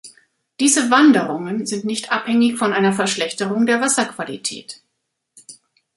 Diese "Wanderungen" sind nicht abhängig von einer Verschlechterung der Wasserqualität.